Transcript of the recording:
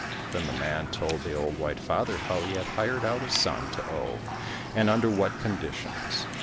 — Then the man told the old white father how he had hired out his son to Oh and under what conditions.